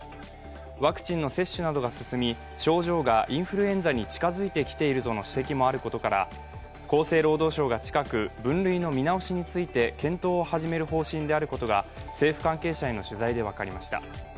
ワクチンの接種などが進み症状がインフルエンザに近づいてきているとの指摘もあることから厚生労働省が近く分類の見直しについて検討を始める方針であることが政府関係者への取材で分かりました。